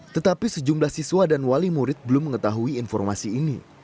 tetapi sejumlah siswa dan wali murid belum mengetahui informasi ini